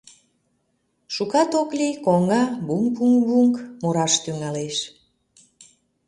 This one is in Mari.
Шукат ок лий — коҥга буҥ-буҥ-буҥ мураш тӱҥалеш.